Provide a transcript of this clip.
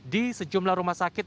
di sejumlah rumah sakit